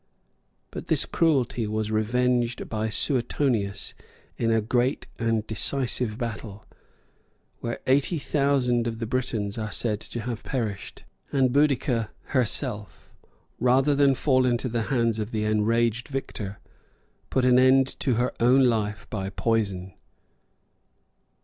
But this cruelty was revenged by Suetonius in a great and decisive battle, where eighty thousand of the Britons are said to have perished, and Boadicea herself, rather than fall into the hands of the enraged victor, put an end to her own life by poison.